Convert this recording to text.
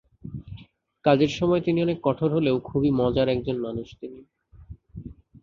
কাজের সময় তিনি অনেক কঠোর হলেও খুবই মজার একজন মানুষ তিনি।